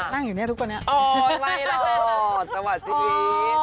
นั่งอยู่เนี่ยทุกคนนะอ๋อไม่เหลือตะวัดชีวิต